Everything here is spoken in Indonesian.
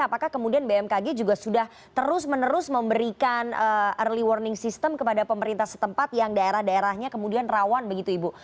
apakah kemudian bmkg juga sudah terus menerus memberikan early warning system kepada pemerintah setempat yang daerah daerahnya kemudian rawan begitu ibu